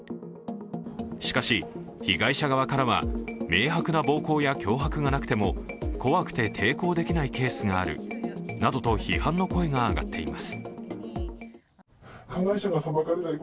しかし、被害者側からは明白な暴行や脅迫がなくても怖くて抵抗できないケースがあるなどと批判の声が上がっています。